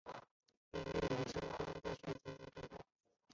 毕业于山东大学经济法专业。